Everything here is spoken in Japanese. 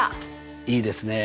いいですね。